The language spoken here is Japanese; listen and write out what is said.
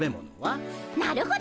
なるほど。